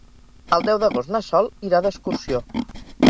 El deu d'agost na Sol irà d'excursió.